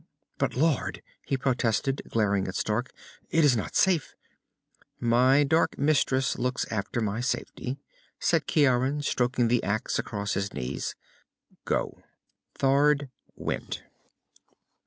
"But Lord," he protested, glaring at Stark, "it is not safe...." "My dark mistress looks after my safety," said Ciaran, stroking the axe across his knees. "Go." Thord went.